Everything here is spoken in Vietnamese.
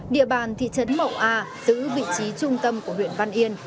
địa bàn thị trấn mậu a giữ vị trí trung tâm của huyện văn yên